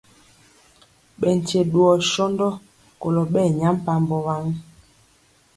Ɓɛ nkye dwɔ sɔndɔ kolɔ ɓɛ nyampambɔ waŋ.